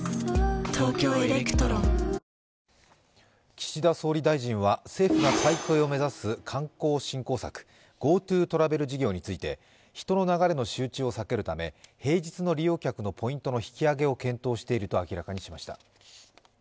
岸田総理大臣は政府が再開を目指す観光振興策、ＧｏＴｏトラベル事業について、人の流れの集中を避けるため平日の利用客のポイントの引き上げを検討していると明らかにしました。